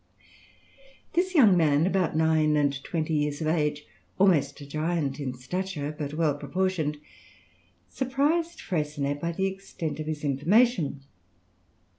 This young man, about nine and twenty years of age, almost a giant in stature, but well proportioned, surprised Freycinet by the extent of his information.